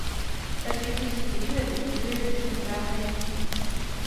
Takže když si stěžujete, stěžujte si na správném místě.